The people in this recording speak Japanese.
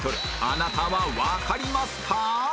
あなたはわかりますか？